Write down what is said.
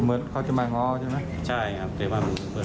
เหมือนเขาจะมางอใช่ไหม